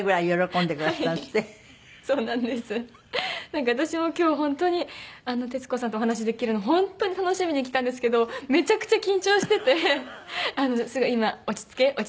なんか私も今日本当に徹子さんとお話しできるのを本当に楽しみに来たんですけどめちゃくちゃ緊張してて今落ち着け落ち着けって思ってます。